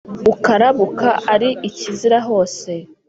ukarabuka, ari ikizira hose